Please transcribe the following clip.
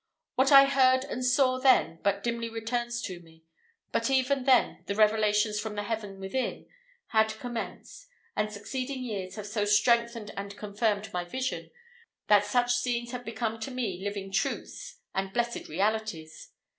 What I heard and saw then but dimly returns to me; but even then the revelations from the "Heaven within" had commenced, and succeeding years have so strengthened and confirmed my vision, that such scenes have become to me living truths and blessed realities.